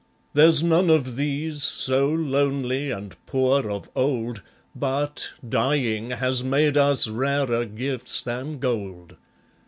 There's none of these so lonely and poor of old, But, dying, has made us rarer gifts than gold.